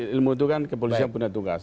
ilmu itu kan kepolisian punya tugas